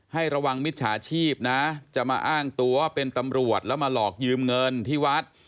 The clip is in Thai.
ให้ระวังมิจฉาชีพนะจะมาอ้างตัวเป็นตำรวจแล้วมาหลอกยืมเงินที่วัด